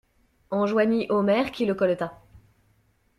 Enjoignit Omer, qui le colleta.